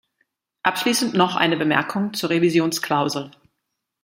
Abschließend noch eine Bemerkung zur Revisionsklausel.